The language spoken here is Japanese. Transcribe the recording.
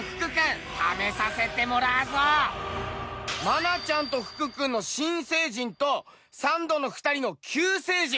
愛菜ちゃんと福君の新成人とサンドの２人の旧成人。